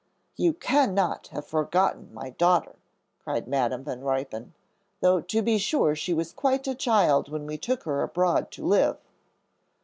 "You cannot have forgotten my daughter," cried Madam Van Ruypen, "though to be sure she was quite a child when we took her abroad to live."